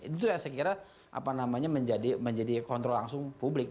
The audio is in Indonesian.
itu saya kira apa namanya menjadi kontrol langsung publik